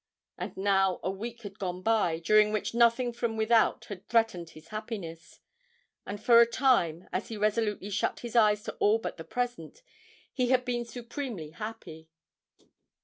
And now a week had gone by, during which nothing from without had threatened his happiness; and for a time, as he resolutely shut his eyes to all but the present, he had been supremely happy.